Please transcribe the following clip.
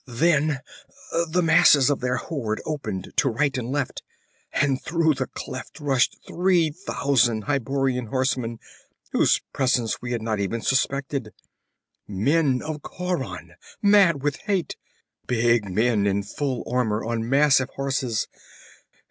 'Then the masses of their horde opened to right and left, and through the cleft rushed three thousand Hyborian horsemen whose presence we had not even suspected. Men of Khauran, mad with hate! Big men in full armor on massive horses!